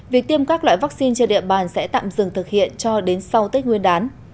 việc tiêm các loại vaccine trên địa bàn sẽ tạm dừng thực hiện cho đến sau tết nguyên đán